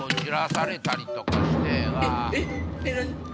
えっ？えっ？何？